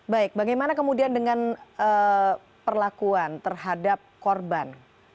baik bagaimana kemudian dengan perlakuan terhadap korban